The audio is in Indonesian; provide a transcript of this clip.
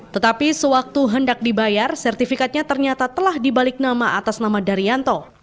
tetapi sewaktu hendak dibayar sertifikatnya ternyata telah dibalik nama atas nama daryanto